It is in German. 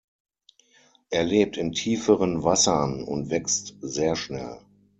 Er lebt in tieferen Wassern und wächst sehr schnell.